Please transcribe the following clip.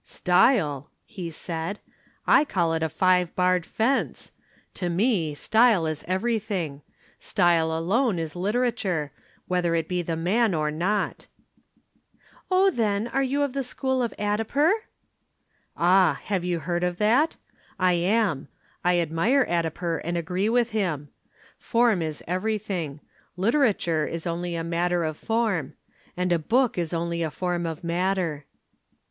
"Style!" he said, "I call it a five barred fence. To me style is everything. Style alone is literature, whether it be the man or not." "Oh, then you are of the school of Addiper?" "Ah, have you heard of that? I am. I admire Addiper and agree with him. Form is everything literature is only a matter of form. And a book is only a form of matter."